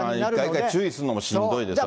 一回一回注意するのもしんどいですからね。